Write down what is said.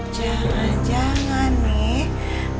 jangan jangan nih